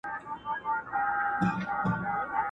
بیا تر مرګه مساپر یم نه ستنېږم!.